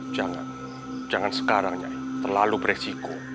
jangan jangan sekarang ya terlalu beresiko